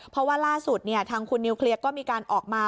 เพราะว่าล่าสุดทางคุณนิวเคลียร์ก็มีการออกมา